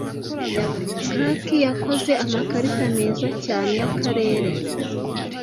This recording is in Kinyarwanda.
Clark yakoze amakarita meza cyane yakarere.